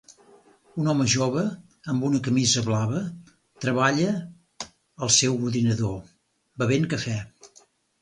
Un home jove amb una camisa blava treballa al seu ordinador, bevent cafè.